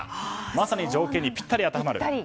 まさに条件にぴったり当てはまる。